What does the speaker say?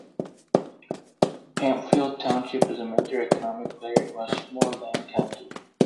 Hempfield Township is a major economic player in Westmoreland County.